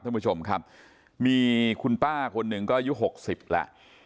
ท่านผู้ชมครับมีคุณป้าคนหนึ่งก็อายุหกสิบแล้ว